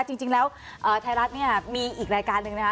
จริงแล้วไทยรัฐเนี่ยมีอีกรายการหนึ่งนะคะ